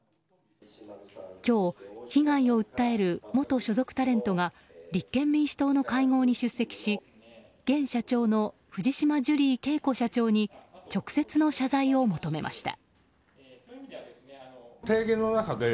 今日、被害を訴える元所属タレントが立憲民主党の会合に出席し現社長の藤島ジュリー景子社長に直接の謝罪を求めました。